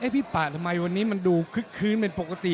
พี่ป่าทำไมวันนี้มันดูคึกคืนเป็นปกติ